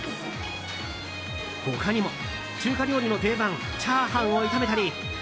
他にも、中華料理の定番チャーハンを炒めたり。